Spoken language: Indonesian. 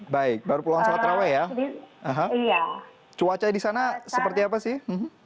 baik baru pulang sholat raweh ya cuaca di sana seperti apa sih